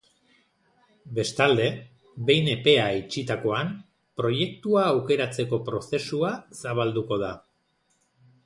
Bestalde, behin epea itxitakoan, proiektua aukeratzeko prozesua zabalduko da.